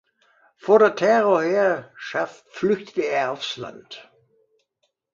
Vor der Terrorherrschaft flüchtet er aufs Land.